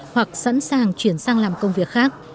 hoặc sẵn sàng chuyển sang làm công việc khác